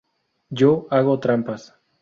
Yo hago trampas.